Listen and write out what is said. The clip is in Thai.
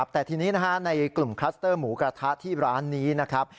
แต่ทีนี้ในกลุ่มคลัสเตอร์หมูกระทะที่ร้านนี้นะครับ